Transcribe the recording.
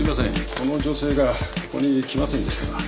この女性がここに来ませんでしたか？